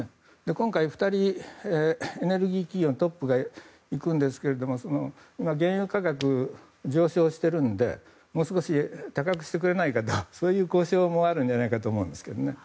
今回２人、エネルギー企業のトップが行くんですが原油価格上昇しているのでもう少し高くしてくれないかという交渉もあるんじゃないかと思うんですけどね。